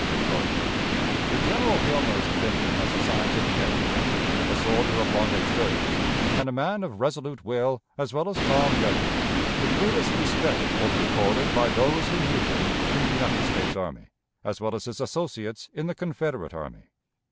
To General Gilmer's opinion as a scientific engineer, a soldier of long experience, and a man of resolute will as well as calm judgment, the greatest respect will be accorded by those who knew him in the United States Army, as well as his associates in the Confederate Army.